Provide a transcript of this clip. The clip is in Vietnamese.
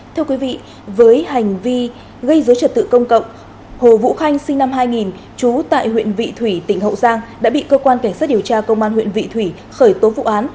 thưa quý vị với hành vi gây dối trật tự công cộng hồ vũ khanh sinh năm hai nghìn trú tại huyện vị thủy tỉnh hậu giang đã bị cơ quan cảnh sát điều tra công an huyện vị thủy khởi tố vụ án